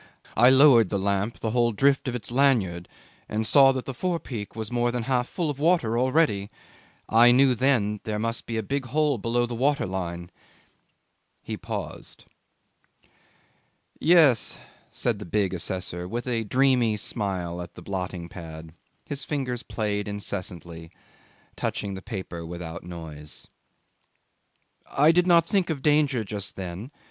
I lowered then the lamp the whole drift of its lanyard, and saw that the forepeak was more than half full of water already. I knew then there must be a big hole below the water line.' He paused. 'Yes,' said the big assessor, with a dreamy smile at the blotting pad; his fingers played incessantly, touching the paper without noise. 'I did not think of danger just then.